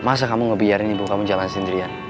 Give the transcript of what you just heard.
masa kamu ngebiarin ibu kamu jalan sendirian